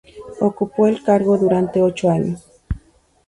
Ocupó el cargo durante ocho años.